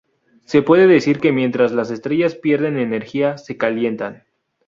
Se puede decir que mientras las estrellas pierden energía se calientan.